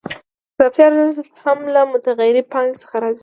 اضافي ارزښت هم له متغیرې پانګې څخه راځي